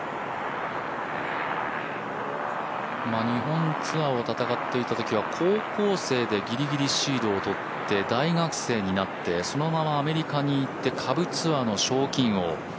日本ツアーを戦っていたときは高校生でギリギリ、シードを取って大学生になって、そのままアメリカに行って、下部ツアーの賞金王。